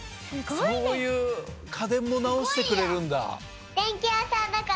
そういうかでんもなおしてくれるんだ。